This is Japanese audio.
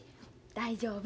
大丈夫。